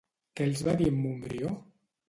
Què els va dir en Montbrió?